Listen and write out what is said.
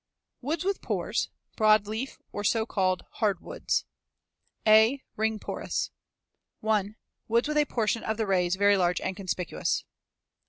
II. WOODS WITH PORES BROADLEAF, OR SO CALLED "HARDWOODS" A. Ring porous. 1. Woods with a portion of the rays very large and conspicuous.